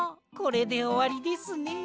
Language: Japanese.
これでおわりですね。